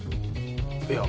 いや。